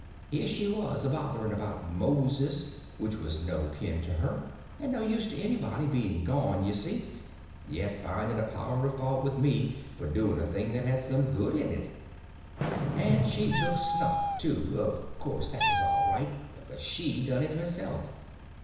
Here she was a bothering about Moses, which was no kin to her, and no use to anybody, being gone, you see, yet finding a power of fault with me for doing a thing that had some good in it. And she took snuff, too; of course that was all right, because she done it herself.